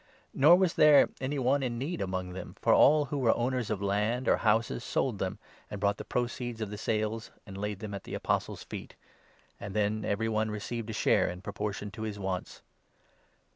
Nor was there any one 34 in need among them, for all who were owners of land or houses sold them, and brought the proceeds of the sales and laid them at the Apostles' feet ; and then every one received 35 a share in proportion to his wants.